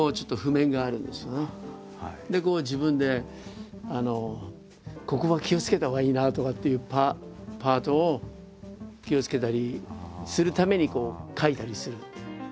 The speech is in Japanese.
自分でここは気をつけたほうがいいなとかっていうパートを気をつけたりするために書いたりする。